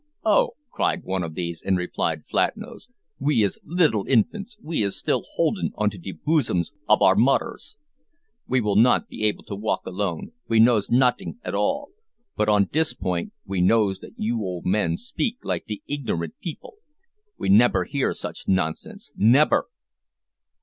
"Oh!" cried one of these, in reply to Flatnose, "we is littil infants; we is still holdin' on to de boosums ob our moders; we not able to walk alone; we knows notin' at all; but on dis point, we knows that you old men speak like de ignorint peepil. We nebber hear such nonsense nebber!"